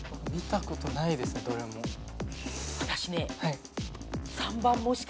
見たことないですねどれも。